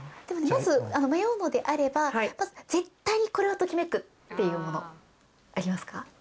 まず迷うのであればまず絶対にこれはときめくっていうモノありますか？